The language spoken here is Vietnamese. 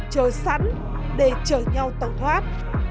chờ sẵn để chờ nhau tẩu thoát